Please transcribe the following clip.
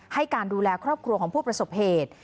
ให้การดูแลครอบครัวของผู้ประสบเหตุ